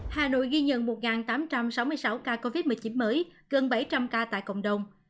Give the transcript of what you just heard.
hà nội ghi nhận một tám trăm sáu mươi sáu ca covid một mươi chín mới gần bảy trăm linh ca tại cộng đồng